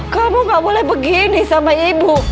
kamu gak boleh begini sama ibu